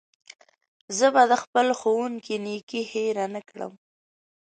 زه به د خپل ښوونکي نېکي هېره نه کړم.